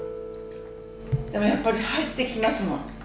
でもやっぱり入ってきますもん。